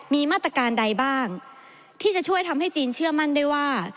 มีมาตรการใดบ้างที่จะช่วยทำให้จีนเชื่อมั่นได้ว่า